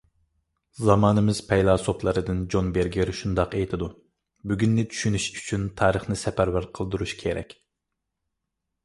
زامانىمىز پەيلاسوپلىرىدىن جون بېرگېر شۇنداق ئېيتىدۇ: «بۈگۈننى چۈشىنىش ئۈچۈن تارىخنى سەپەرۋەر قىلدۇرۇش كېرەك».